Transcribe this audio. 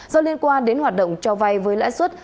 do liên quan đến hoạt động cho vay với lãi suất